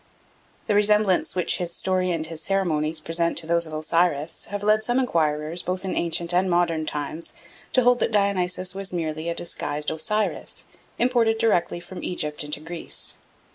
The resemblance which his story and his ceremonies present to those of Osiris have led some enquirers both in ancient and modern times to hold that Dionysus was merely a disguised Osiris, imported directly from Egypt into Greece.